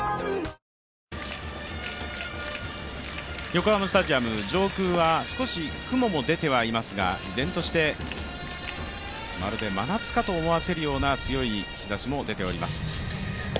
横浜スタジアム、上空は少し雲も出てはいますが、依然として、まるで真夏かと思わせるような強い日差しも出ています。